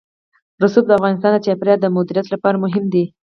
رسوب د افغانستان د چاپیریال د مدیریت لپاره مهم دي.